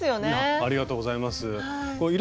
ありがとうございます。